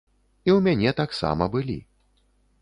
І ў мяне таксама былі.